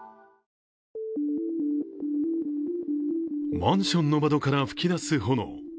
マンションの窓から噴き出す炎。